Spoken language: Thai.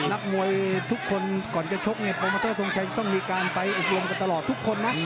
นักมวยทุกคนก่อนจะชกเนี่ยโปรโมเตอร์ทรงชัยต้องมีการไปอบรมกันตลอดทุกคนนะ